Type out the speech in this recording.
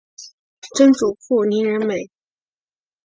曾祖父林仁美。